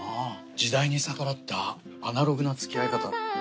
時代に逆らったアナログな付き合い方。